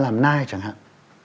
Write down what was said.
làm nai chẳng hạn